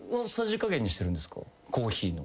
コーヒーの。